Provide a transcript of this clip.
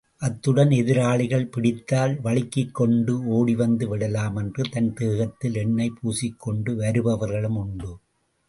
அத்துடன், எதிராளிகள் பிடித்தால், வழுக்கிக் கொண்டு ஓடிவந்து விடலாமென்று தன் தேகத்தில் எண்ணெய் பூசிக் கொண்டு வருபவர்களும் உண்டு.